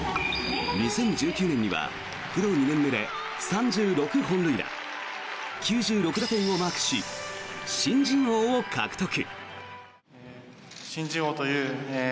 ２０１９年にはプロ２年目で３６本塁打９６打点をマークし新人王を獲得。